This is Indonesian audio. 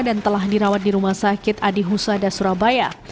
telah dirawat di rumah sakit adi husada surabaya